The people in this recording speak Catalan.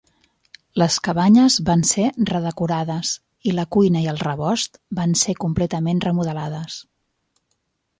Les cabanyes van ser redecorades, i la cuina i el rebost van ser completament remodelades.